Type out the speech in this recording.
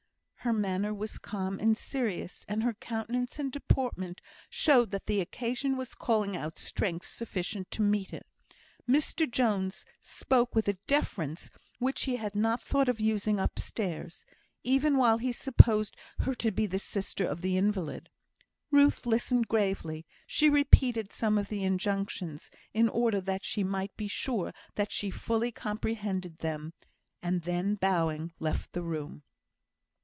Her manner was calm and serious, and her countenance and deportment showed that the occasion was calling out strength sufficient to meet it. Mr Jones spoke with a deference which he had not thought of using upstairs, even while he supposed her to be the sister of the invalid. Ruth listened gravely; she repeated some of the injunctions, in order that she might be sure that she fully comprehended them, and then, bowing, left the room.